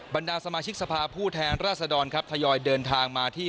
บรรดาสมาชิกสภาผู้แทนราษฎรครับทยอยเดินทางมาที่